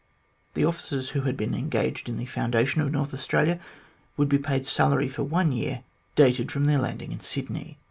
The officers who had been engaged in the foundation of North Australia would be paid salary for one year dating from their landing in Sydney.